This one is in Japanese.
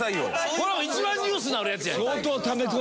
こんなもん一番ニュースになるやつやんけ。